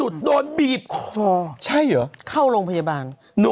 ครบเข้าโรงพยาบาล